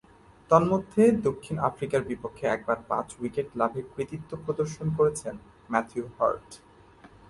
তন্মধ্যে, দক্ষিণ আফ্রিকার বিপক্ষে একবার পাঁচ-উইকেট লাভের কৃতিত্ব প্রদর্শন করেছেন ম্যাথু হার্ট।